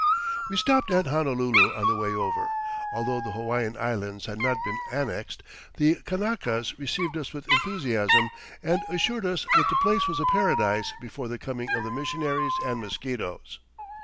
"We stopped at Honolulu on the way over, although the Hawaiian Islands had not been annexed. The Kanakas received us with enthusiasm and assured us that the place was a paradise before the coming of the missionaries and mosquitoes.